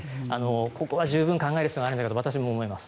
ここは十分考える必要があると私は思います。